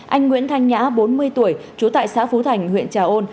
anh nguyễn thanh nhã bốn mươi tuổi trú tại xã phú thành huyện trà ôn